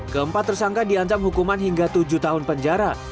keempat tersangka diancam hukuman hingga tujuh tahun penjara